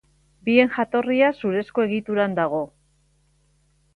Bien jatorria zurezko egituran dago.